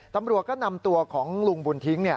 ตำรวจก็นำตัวของลุงบุญทิ้ง